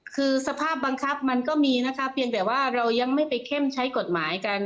คือสภาพบังคับมันก็มีนะคะเพียงแต่ว่าเรายังไม่ไปเข้มใช้กฎหมายกัน